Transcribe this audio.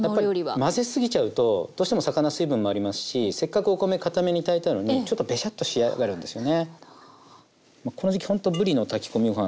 混ぜすぎちゃうとどうしても魚水分もありますしせっかくお米かために炊いたのにちょっとベシャッと仕上がるんですよね。